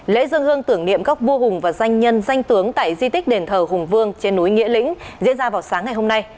lễ dân hương tưởng niệm các vua hùng và danh nhân danh tướng tại di tích đền thờ hùng vương trên núi nghĩa lĩnh diễn ra vào sáng ngày hôm nay